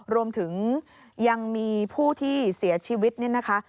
รวมถึงยังมีผู้ที่เสียชีวิตเนี่ยนะคะ